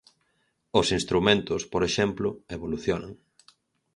Os instrumentos, por exemplo, evolucionan.